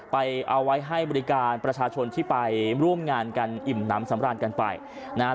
เอาไว้ให้บริการประชาชนที่ไปร่วมงานกันอิ่มน้ำสำราญกันไปนะฮะ